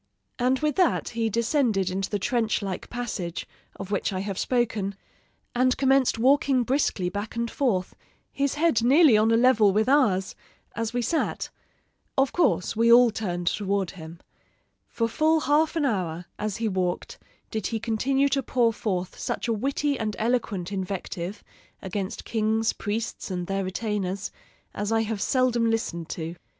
"And with that he descended into the trench like passage, of which I have spoken, and commenced walking briskly back and forth, his head nearly on a level with ours, as we sat. Of course we all turned toward him. For full half an hour, as he walked, did he continue to pour forth such a witty and eloquent invective against kings, priests, and their retainers, as I have seldom listened to.